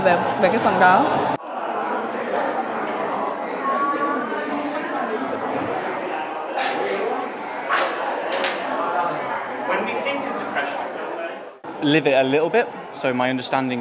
về vũ trụ